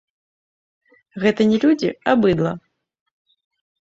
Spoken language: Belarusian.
Гэта не людзі, а быдла.